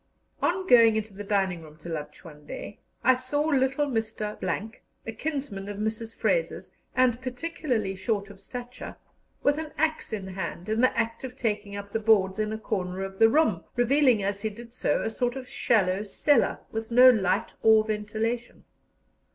On going into the dining room to lunch one day, I saw little Mr. , a kinsman of Mrs. Fraser's, and particularly short of stature, with an axe in hand, in the act of taking up the boards in a corner of the room, revealing as he did so a sort of shallow cellar, with no light or ventilation.